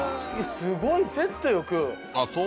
すごいセットよくー。